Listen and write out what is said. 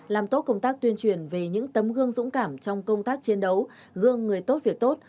làm tốt công tác tuyên truyền về những tấm gương dũng cảm trong công tác chiến đấu gương người tốt việc tốt